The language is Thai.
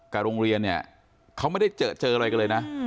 กับโรงเรียนเนี่ยเขาไม่ได้เจอเจออะไรกันเลยนะ